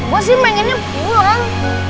gue sih pengennya pulang